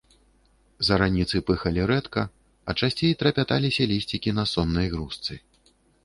Зараніцы пыхалі рэдка, а часцей трапяталіся лісцікі на соннай грушцы.